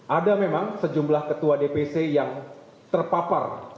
ada memang sejumlah ketua dpc yang terpapar